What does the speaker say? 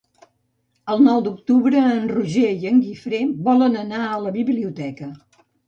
El nou d'octubre en Roger i en Guifré volen anar a la biblioteca.